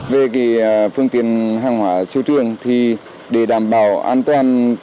về phương tiện hàng hóa siêu trường thì để đảm bảo an toàn